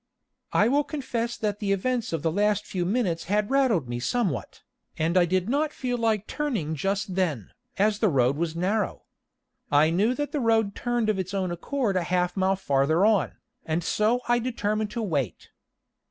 I will confess that the events of the last few minutes had rattled me somewhat, and I did not feel like turning just then, as the road was narrow. I knew that the road turned of its own accord a half mile farther on, and so I determined to wait.